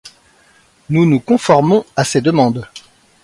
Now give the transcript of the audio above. Nous nous conformons à ces demandes.